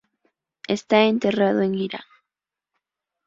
Está enterrado en Irán.